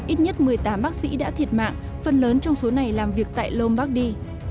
ít nhất một mươi tám bác sĩ đã thiệt mạng phần lớn trong số này làm việc tại lombardi